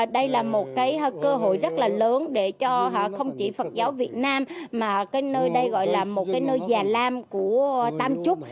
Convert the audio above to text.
đây là một cơ hội rất là lớn để cho không chỉ phật giáo việt nam mà nơi đây gọi là một nơi già lam của tam trúc